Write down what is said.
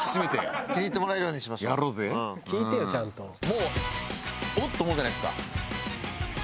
もうおっ！と思うじゃないですか。